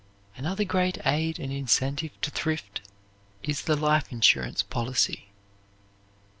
Another great aid and incentive to thrift is the life insurance policy.